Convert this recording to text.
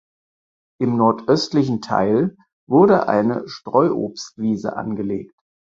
Im nordöstlichen Teil wurde eine Streuobstwiese angelegt.